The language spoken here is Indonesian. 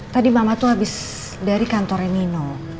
tadi mama tuh habis dari kantornya nino